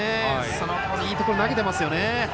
いいところ投げてますよね。